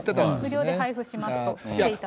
無料で配布しますとしていたと。